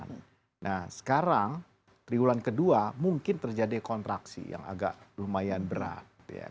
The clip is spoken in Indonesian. nah sekarang triwulan kedua mungkin terjadi kontraksi yang agak lumayan berat